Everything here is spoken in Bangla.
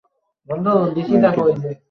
আর কী দিব?